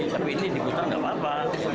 tapi ini diputar nggak apa apa